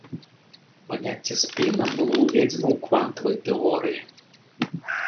Паняцце спіна было ўведзена ў квантавай тэорыі.